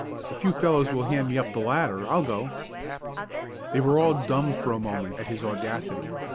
If you fellows will hand me up the ladder I'll go!" They were all dumb for a moment at his audacity.